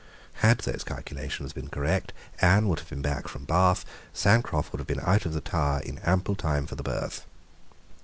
Had those calculations been correct, Anne would have been back from Bath, and Sancroft would have been out of the Tower, in ample time for the birth.